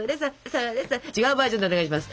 違うバージョンでお願いします。